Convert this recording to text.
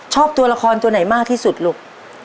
ชอบตัวละครตัวไหนมากที่สุดลูก